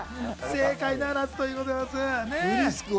正解ならずということでございます。